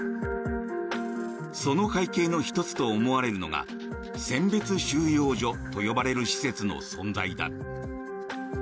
その背景の１つと思われるのが選別収容所と呼ばれる施設の存在だ。